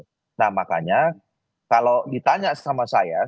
nah makanya kalau ditanya sama saya